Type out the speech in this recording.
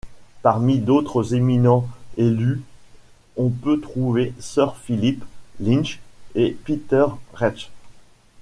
Parmi d'autres éminents élus on peut trouver Sir Phillip Lynch et Peter Reith.